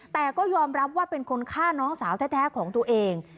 แต่ก็ยอมรับว่าเป็นคนฆ่าน้องสาวแท้ของตัวเอง